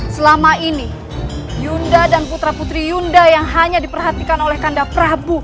selama ini yunda dan putra putri yunda yang hanya diperhatikan oleh kanda prabu